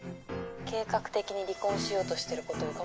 計画的に離婚しようとしてることを智くんに知られたら。